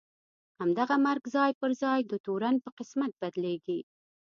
همدغه مرګ ځای پر ځای د تورن په قسمت بدلېږي.